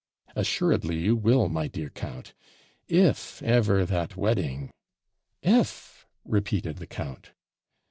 'Assuredly you will, my dear count; if ever that wedding ' 'IF,' repeated the count.